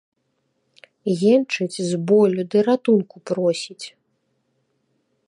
Енчыць з болю ды ратунку просіць.